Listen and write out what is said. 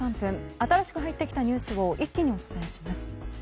新しく入ってきたニュースを一気にお伝えします。